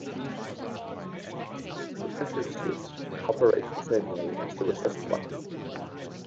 This pressure switch operates the same way as the recessed button.